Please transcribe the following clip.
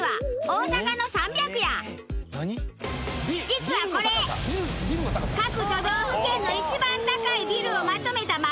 実はこれ各都道府県の一番高いビルをまとめたＭＡＰや！